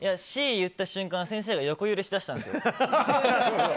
Ｃを言った瞬間先生が横揺れしだしたんです。